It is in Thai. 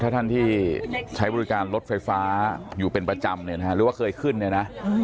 ถ้าท่านที่ใช้บริการรถไฟฟ้าอยู่เป็นประจำหรือว่าเคยขึ้น